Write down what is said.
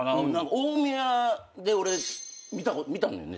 大宮で俺見たのよネタ。